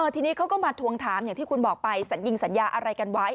ทีนี้เขาก็มาทวงถามอย่างที่คุณบอกไปสัญญิงสัญญาอะไรกันไว้